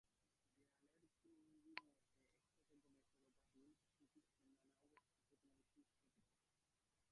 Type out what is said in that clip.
দেয়ালের কুলঙ্গির মধ্যে একটাতে গণেশের ও বাকিগুলিতে শ্রীকৃষ্ণের নানা অবস্থার প্রতিমূর্তি স্থাপিত।